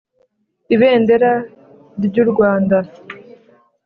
Ibendera ry’urwanda.